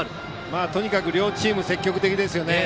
とにかく両チーム積極的ですね。